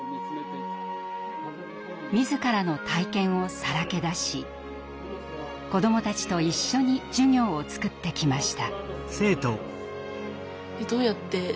自らの体験をさらけ出し子どもたちと一緒に授業を作ってきました。